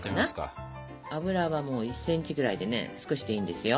油はもう１センチぐらいでね少しでいいんですよ。